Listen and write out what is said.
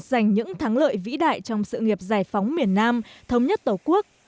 giành những thắng lợi vĩ đại trong sự nghiệp giải phóng miền nam thống nhất tổ quốc